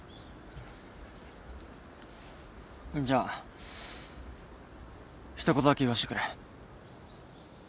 じゃあ一言だけ言わしてくれ。